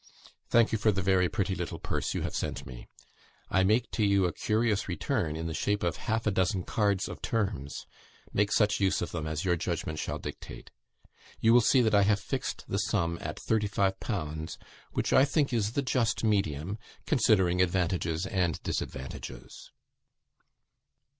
Thank you for the very pretty little purse you have sent me. I make to you a curious return in the shape of half a dozen cards of terms. Make such use of them as your judgment shall dictate. You will see that I have fixed the sum at 35_l_., which I think is the just medium, considering advantages and disadvantages."